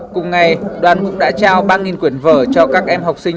cùng ngày đoàn cũng đã trao ba quyển vở cho các em học sinh